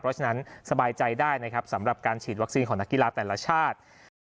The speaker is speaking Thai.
เพราะฉะนั้นสบายใจได้นะครับสำหรับการฉีดวัคซีนของนักกีฬาแต่ละชาติ